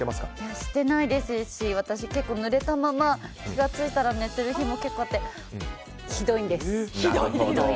してないですし私結構ぬれたまま気が付いたら寝てる日も結構あって、ひどいんです。